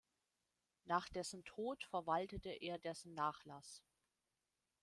Nach dessen Tod verwaltete er dessen Nachlass.